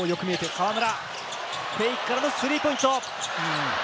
河村、フェイクからのスリーポイント。